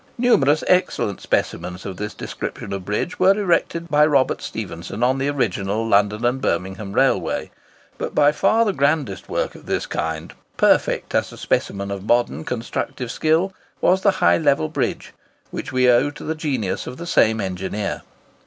Numerous excellent specimens of this description of bridge were erected by Robert Stephenson on the original London and Birmingham Railway; but by far the grandest work of the kind—perfect as a specimen of modern constructive skill—was the High Level Bridge, which we owe to the genius of the same engineer.